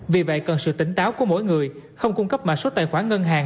vì vậy cần sự tỉnh táo của mỗi người không cung cấp mã số tài khoản ngân hàng